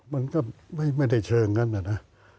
มันก็ไม่ได้เชิงนั้นนะ